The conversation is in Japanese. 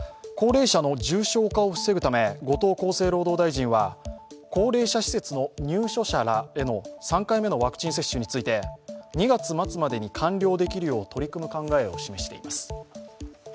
高齢者の重症化を防ぐため後藤厚生労働大臣は高齢者施設の入所者らへの３回目のワクチン接種について２月末までに完了できるよう取り組む考えを示しています。